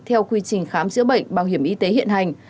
theo quy trình khám chữa bệnh bảo hiểm y tế hiện hành